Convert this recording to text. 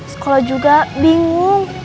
sekolah juga bingung